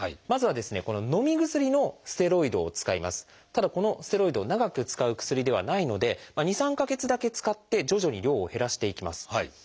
ただこのステロイド長く使う薬ではないので２３か月だけ使って徐々に量を減らしていきます。